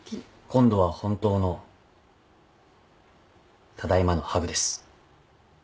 今度は本当のただいまのハグです。